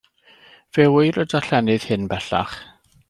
Fe ŵyr y darllenydd hyn bellach.